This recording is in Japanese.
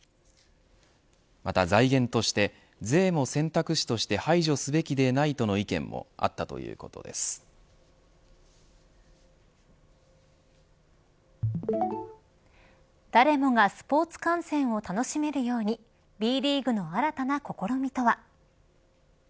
また財源として税の選択肢として排除すべきでないとの意見も誰もがスポーツ観戦を楽しめるようにＢリーグの新たな試みとは。